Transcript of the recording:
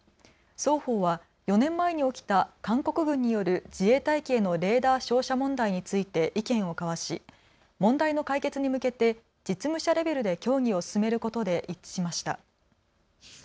双方は４年前に起きた韓国軍による自衛隊機へのレーダー照射問題について意見を交わし問題の解決に向けて実務者レベルで協議を進めることで一致しました。